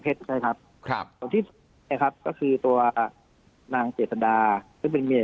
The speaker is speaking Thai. เพชรใช่ครับครับครับก็คือตัวนางเจสดาซึ่งเป็นเมีย